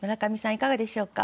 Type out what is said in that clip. いかがでしょうか？